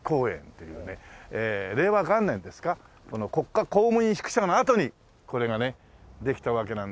令和元年ですか国家公務員宿舎の跡にこれがねできたわけなんですけど。